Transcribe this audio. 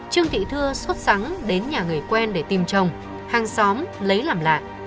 trương thị thưa xuất sẵn đến nhà người quen để tìm chồng hàng xóm lấy làm lạ